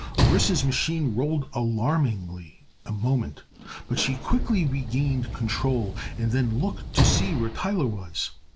Orissa's machine rolled alarmingly a moment, but she quickly regained control and then looked to see where Tyler was.